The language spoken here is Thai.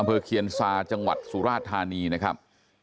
เคียนซาจังหวัดสุราชธานีนะครับ